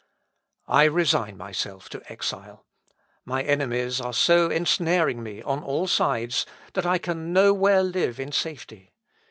"I resign myself to exile. My enemies are so ensnaring me on all sides, that I can no where live in safety.